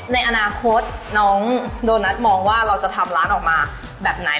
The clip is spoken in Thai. ในอนาคตน้องโดนัทมองว่าเราจะทำร้านออกมาแบบไหน